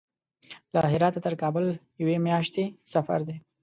له هراته تر کابل یوې میاشتې سفر دی.